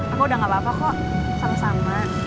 aku udah gapapa kok sama sama